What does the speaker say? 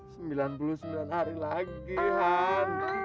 sembilan puluh sembilan hari lagi han